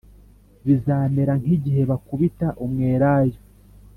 bizamera nk igihe bakubita umwelayo